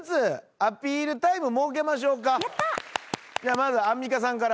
まずアンミカさんから。